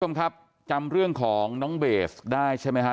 คุณผู้ชมครับจำเรื่องของน้องเบสได้ใช่ไหมฮะ